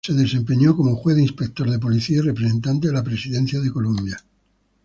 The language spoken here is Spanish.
Se desempeñó como Juez, Inspector de Policía y representante de la Presidencia de Colombia.